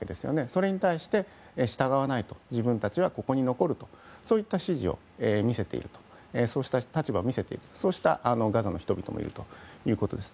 それに対して、従わないと自分たちはここに残るといったそうした立場を見せているガザの人々もいるということです。